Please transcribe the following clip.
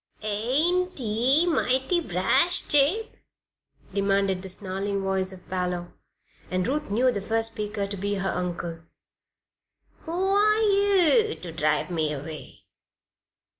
"Ain't ye mighty brash, Jabe?" demanded the snarling voice of Parloe, and Ruth knew the first speaker to be her uncle. "Who are yeou ter drive me away?"